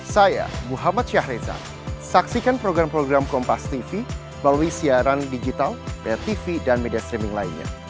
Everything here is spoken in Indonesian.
saya muhammad syahriza saksikan program program kompas tv melalui siaran digital tv dan media streaming lainnya